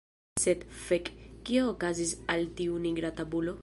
Sed, fek, kio okazis al tiu nigra tabulo?